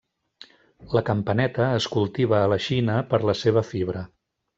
La campaneta es cultiva a la Xina per la seva fibra.